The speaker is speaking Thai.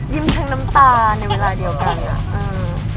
ยิ้มชังน้ำตาในเวลาเดียวกัน